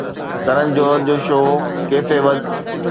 ڪرن جوهر جو show coffee with